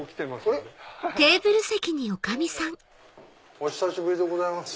どうもお久しぶりでございます。